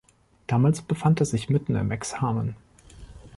Damals befand er sich mitten im Examen.